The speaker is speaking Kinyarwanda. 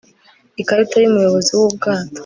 ikarita yu muyobozi wu bwato